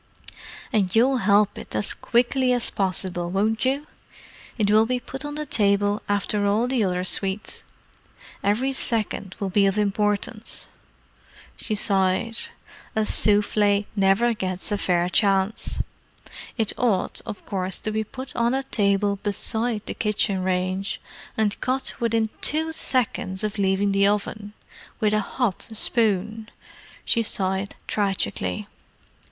"And you'll help it as quickly as possible, won't you? It will be put on the table after all the other sweets. Every second will be of importance!" She sighed. "A souffle never gets a fair chance. It ought, of course, to be put on a table beside the kitchen range, and cut within two seconds of leaving the oven. With a hot spoon!" She sighed tragically.